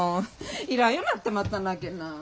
要らんようになってまったなけな。